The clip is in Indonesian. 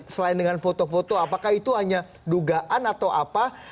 selain dengan foto foto apakah itu hanya dugaan atau apa